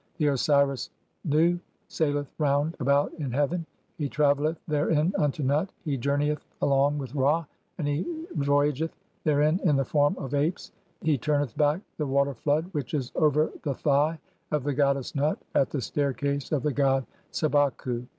The Osiris Nu saileth round 'about in heaven, he travelleth therein unto Nut, he journeyeth 'along with Ra, and he voyageth therein in the form of (5) 'apes ; [he] turneth back the water flood which is over the Thigh 'of the goddess Nut at the staircase of the god Sebaku.